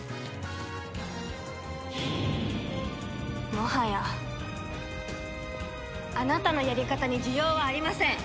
もはやあなたのやり方に需要はありません。